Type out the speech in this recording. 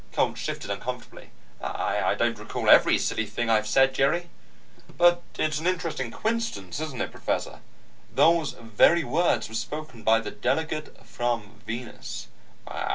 Coltz shifted uncomfortably. "I don't recall every silly thing I said, Jerry." "But it's an interesting coincidence, isn't it, Professor? These very words were spoken by the Delegate from Venus."